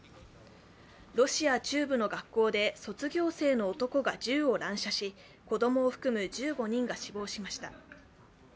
ロシア中部の学校で卒業生の男が銃を乱射し子供を含む１５人が死亡しました。